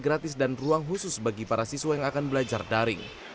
gratis dan ruang khusus bagi para siswa yang akan belajar daring